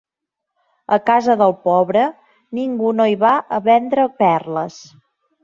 A casa del pobre ningú no hi va a vendre perles.